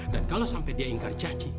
dan kalau sampai dia ingkar janji